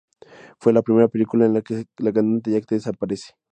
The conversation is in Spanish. Fue la primera película en la que la cantante y actriz aparece.